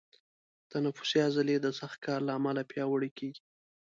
تنفسي عضلې د سخت کار له امله پیاوړي کېږي.